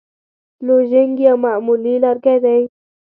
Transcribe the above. لوژینګ یو معمولي لرګی دی.